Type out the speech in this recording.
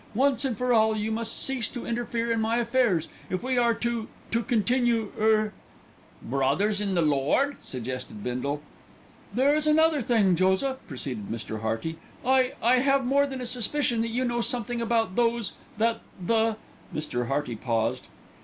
"Once and for all you must cease to interfere in my affairs, if we are to to continue er " "Brothers in the Lord," suggested Bindle. "There is another thing, Joseph," proceeded Mr. Hearty. "I I have more than a suspicion that you know something about those that the " Mr. Hearty paused.